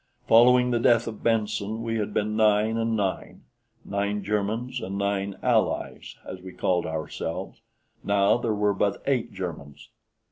Following the death of Benson we had been nine and nine nine Germans and nine "Allies," as we called ourselves, now there were but eight Germans.